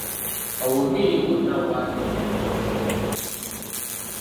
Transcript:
Obuviiri bwonna bwali buseenyuuse.